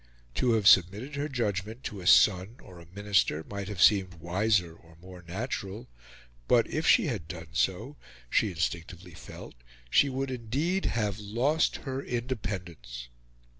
To have submitted her judgment to a son or a Minister might have seemed wiser or more natural; but if she had done so, she instinctively felt, she would indeed have lost her independence.